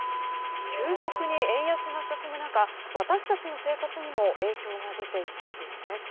急速に円安が進む中私たちの生活にも影響が出ていますよね。